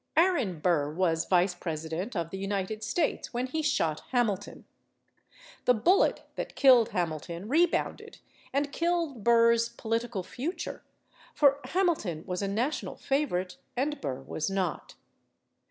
Aaron Burr was vice president of the United States when he shot Hamilton. The bullet that killed Ham ilton rebounded and killed Burr's political future; for Hamilton was a national favorite and Burr was not.